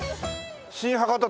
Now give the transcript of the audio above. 新博多